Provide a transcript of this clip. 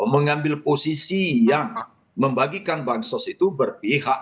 mengambil posisi yang membagikan bansos itu berpihak